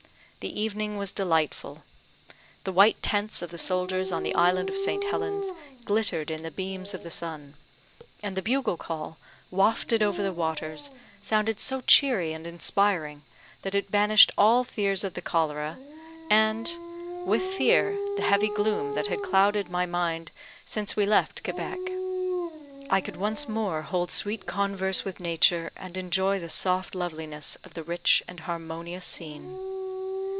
The evening was delightful; the white tents of the soldiers on the Island of St. Helens glittered in the beams of the sun, and the bugle call, wafted over the waters, sounded so cheery and inspiring, that it banished all fears of the cholera, and, with fear, the heavy gloom that had clouded my mind since we left Quebec. I could once more hold sweet converse with nature, and enjoy the soft loveliness of the rich and harmonious scene.